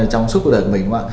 trong suốt đời của mình